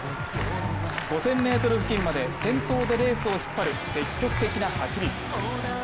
５０００ｍ付近まで先頭でレースを引っ張る積極的な走り。